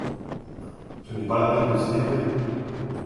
Ce n’est pas la peine de s’énerver.